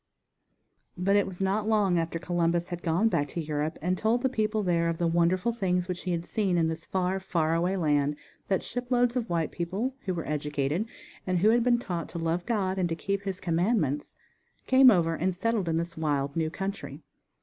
_ But it was not long after Columbus had gone back to Europe and told the people there of the wonderful things which he had seen in this far, far away land that ship loads of white people, who were educated and who had been taught to love God and to keep His commandments, came over and settled in this wild, new country.